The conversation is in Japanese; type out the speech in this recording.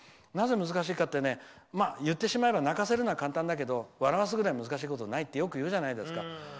なぜ難しいって言ってしまえば泣かせるのは簡単だけど笑わすぐらい難しいことはないってよくいうじゃないですか。